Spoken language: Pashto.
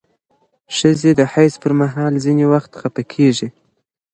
ښځې د حیض پر مهال ځینې وخت خپه کېږي.